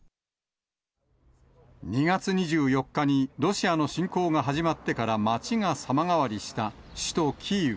２月２４日に、ロシアの侵攻が始まってから街が様変わりした首都キーウ。